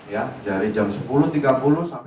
ya dari jam sepuluh tiga puluh sampai